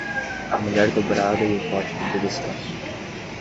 A mulher dobrada e o pote de descanso.